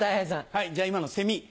はいじゃあ今のセミ。